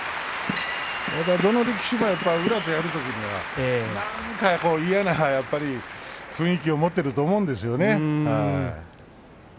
どの力士も宇良とやるときには何か嫌な雰囲気を持っていると思うんですよ。